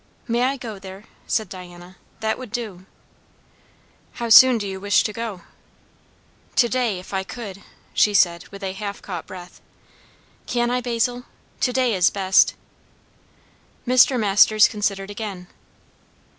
"May I go there?" said Diana. "That would do." "How soon do you wish to go?" "To day, if I could!" she said with a half caught breath. "Can I, Basil? To day is best." Mr. Masters considered again.